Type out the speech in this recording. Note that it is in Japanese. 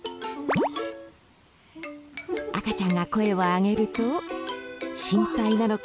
赤ちゃんが声を上げると心配なのか